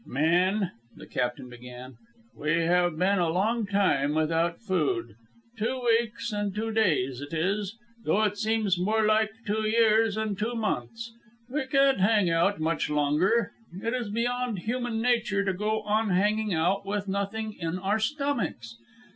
"Men," the captain began, "we have been a long time without food two weeks and two days it is, though it seems more like two years and two months. We can't hang out much longer. It is beyond human nature to go on hanging out with nothing in our stomachs.